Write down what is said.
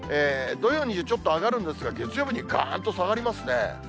土曜、日曜、ちょっと上がるんですが、月曜日にがーんと下がりますね。